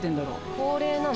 恒例なの？